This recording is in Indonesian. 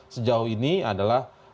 sejauh ini adalah